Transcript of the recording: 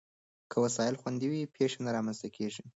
که وسایل خوندي وي، پېښه نه رامنځته کېږي.